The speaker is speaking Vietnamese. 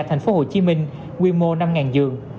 tp hcm quy mô năm giường